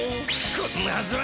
こんなはずは。